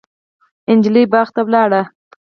نجلۍ باغ ته ولاړه.